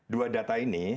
dua data ini